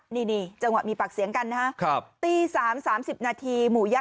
นี่จังหวะมีปากเสียงกันนะครับตี๓๓๐นาทีหมู่ยะ